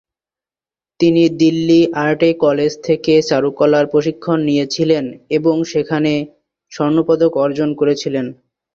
তিনি দিল্লি আর্টে কলেজ থেকে চারুকলার প্রশিক্ষণ নিয়েছিলেন এবং সেখানে তিনি স্বর্ণপদক অর্জন করেছিলেন।